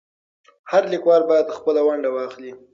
هر لیکوال باید خپله ونډه واخلي.